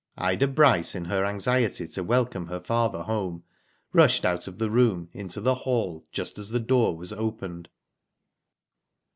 '* Ida Bryce, in her anxiety to welcome her father home, rushed out of the room, into the hall just as the door was opened.